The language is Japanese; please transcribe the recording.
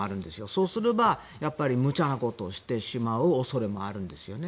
そうすれば無茶なことをしてしまう恐れもあるんですよね。